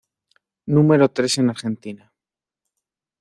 Número tres en Argentina.